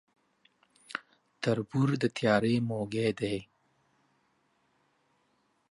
تر بور د تيارې موږى دى.